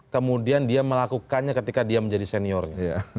kemudian dia melakukannya ketika dia menjadi seniornya